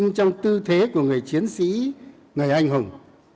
trong tư thế của người chiến sĩ người anh hùng